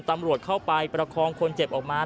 ตำรวจเข้าไปประคองคนเจ็บออกมา